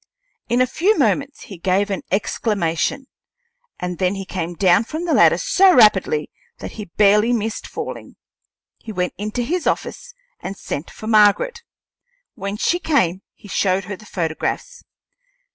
In a few moments he gave an exclamation, and then he came down from the ladder so rapidly that he barely missed falling. He went into his office and sent for Margaret. When she came he showed her the photographs.